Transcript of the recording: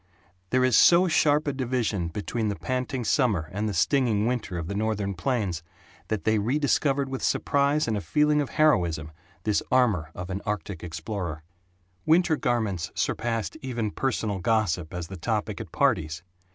There is so sharp a division between the panting summer and the stinging winter of the Northern plains that they rediscovered with surprise and a feeling of heroism this armor of an Artic explorer. Winter garments surpassed even personal gossip as the topic at parties.